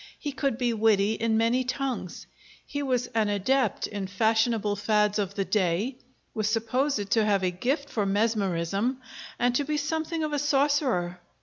He could be witty in many tongues; he was an adept in fashionable fads of the day; was supposed to have a gift for mesmerism, and to be something of a sorcerer.